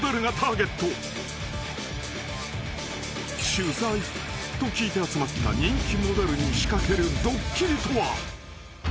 ［取材と聞いて集まった人気モデルに仕掛けるドッキリとは］